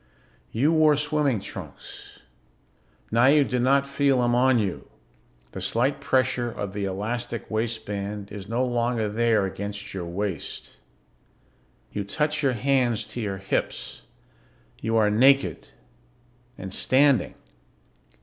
You wore swimming trunks. Now you do not feel them on you; the slight pressure of the elastic waistband is no longer there against your waist. You touch your hands to your hips. You are naked. And standing.